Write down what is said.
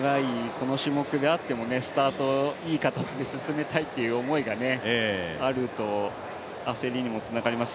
この種目であっても、スタートをいい感じで進めたいという思いがあると焦りにもつながります。